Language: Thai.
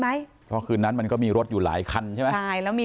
ไหมเพราะคืนนั้นมันก็มีรถอยู่หลายคันใช่ไหมใช่แล้วมี